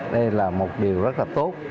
đây là một điều rất là tốt